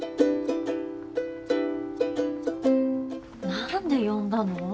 何で呼んだの？